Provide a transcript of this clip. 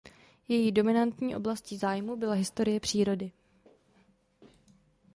Její dominantní oblastí zájmu byla historie přírody.